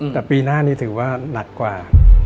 แต่ปีหน้านี้ถือว่าหนักกว่า